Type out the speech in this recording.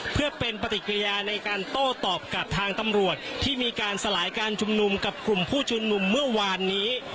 เพื่อเป็นปฏิกิริยาในการโต้ตอบกับทางตำรวจที่มีการสลายการชุมนุมกับกลุ่มผู้ชุมนุมเมื่อวานนี้